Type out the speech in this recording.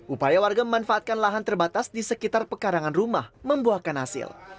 upaya warga memanfaatkan lahan terbatas di sekitar pekarangan rumah membuahkan hasil